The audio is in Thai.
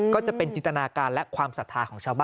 ก็จะเป็นจินตนาการและความศรัทธาของชาวบ้าน